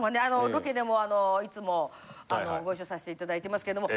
ロケでもいつもご一緒させて頂いてますけども。